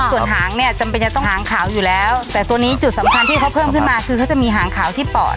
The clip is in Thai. ส่วนหางเนี่ยจำเป็นจะต้องหางขาวอยู่แล้วแต่ตัวนี้จุดสำคัญที่เขาเพิ่มขึ้นมาคือเขาจะมีหางขาวที่ปอด